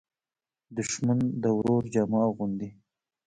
دښمن د ورور جامه اغوندي